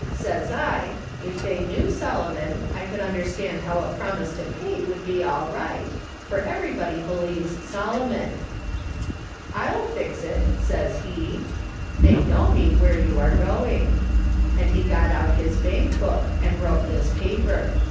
Says I, ' If they knew Solomon, I could 220 A/KS. SOLOMON SMITH LOOKING ON. understand how a promise to pay would be all right; for everybody believes Solomon.' "" I'll fix it,' says he. ' They know me where you are going/ and he got out his bank book, and wrote this paper.